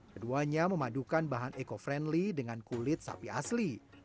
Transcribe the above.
keduanya memadukan bahan eco friendly dengan kulit sapi asli